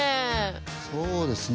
そうですね。